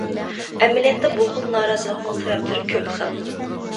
ئەمەلىيەتتە بۇ خىل نارازىلىقنىڭ سەۋەبلىرى كۆپ خىل.